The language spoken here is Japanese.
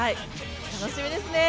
楽しみですね！